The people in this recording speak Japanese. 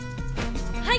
はい！